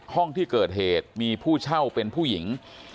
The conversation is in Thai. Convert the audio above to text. ห้องที่เกิดเหตุมีผู้เช่าเป็นผู้หญิง